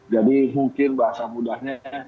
jadi mungkin bahasa mudahnya